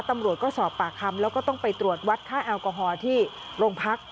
ตำรวจก็สอบปากคำแล้วก็ต้องไปตรวจวัดค่าแอลกอฮอล์ที่โรงพัก